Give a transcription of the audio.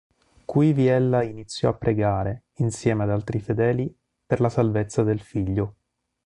Quivi ella iniziò a pregare, insieme ad altri fedeli, per la salvezza del figlio.